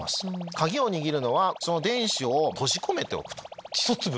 鍵を握るのはその電子を閉じ込めておく。